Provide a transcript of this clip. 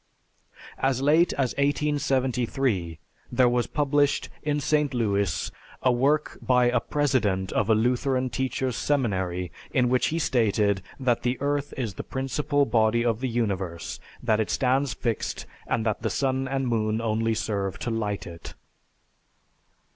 As late as 1873 there was published, in St. Louis, a work by a president of a Lutheran teachers' seminary in which he stated that the earth is the principal body of the universe, that it stands fixed, and that the sun and moon only serve to light it.